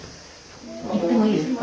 行ってもいいですか？